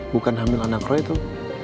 bukan hamil anak roy tuh